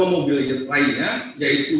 dua mobil lainnya yaitu